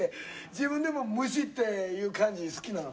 自分でもむしっていう感じ好きなの？」